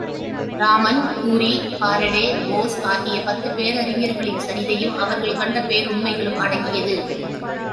Raman, Curie, Faraday, Bose ஆகிய பத்து பேரறிஞர்களின் சரிதையும் அவர்கள் கண்ட பேருண்மைகளும் அடங்கியது.